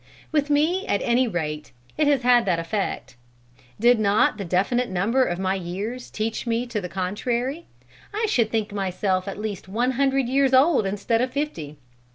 With me at any rate it has had that effect. Did not the definite number of my years teach me to the contrary, I should think myself at least one hundred years old instead of fifty.